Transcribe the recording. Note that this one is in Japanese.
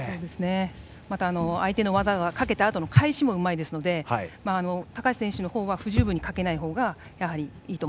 また、相手が技をかけたあとの返しもうまいので高橋選手のほうは不十分にかけないほうがいいと